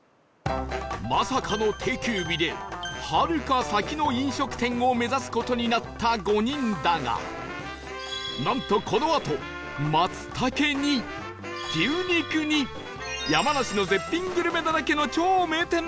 まさかの定休日ではるか先の飲食店を目指す事になった５人だがなんとこのあと松茸に牛肉に山梨の絶品グルメだらけの超名店と出会う事に